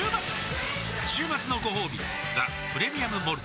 週末のごほうび「ザ・プレミアム・モルツ」